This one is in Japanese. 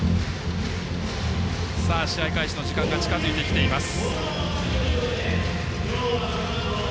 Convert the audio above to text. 試合開始の時間が近づいてきています。